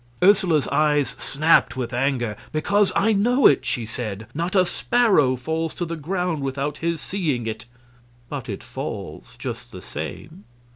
Ursula's eyes snapped with anger. "Because I know it!" she said. "Not a sparrow falls to the ground without His seeing it." "But it falls, just the same.